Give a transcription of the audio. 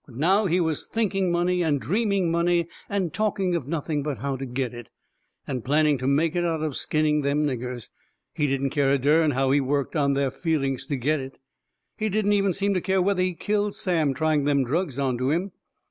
But now he was thinking money and dreaming money and talking of nothing but how to get it. And planning to make it out of skinning them niggers. He didn't care a dern how he worked on their feelings to get it. He didn't even seem to care whether he killed Sam trying them drugs onto him.